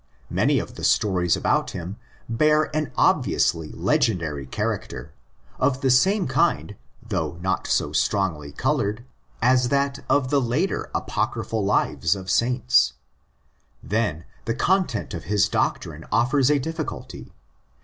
Many of the stories about him bear an obviously legendary character, of the same kind, though not so strongly coloured, as that of H 98 THE ACTS OF THE APOSTLES the later apocryphal lives of saints. Then the content of his doctrine offers a difficulty.